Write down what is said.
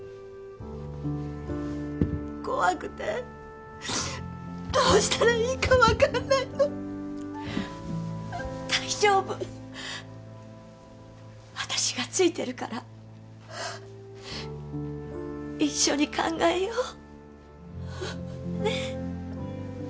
怖くてどうしたらいいか分からないの大丈夫私がついてるから一緒に考えようねっ？